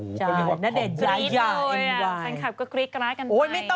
นาเดชน์ยาย่าเอ็นวาย